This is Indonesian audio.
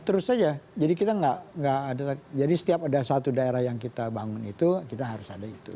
terus saja jadi kita nggak ada jadi setiap ada satu daerah yang kita bangun itu kita harus ada itu